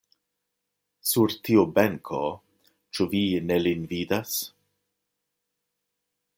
Sur tiu benko, ĉu vi ne lin vidas!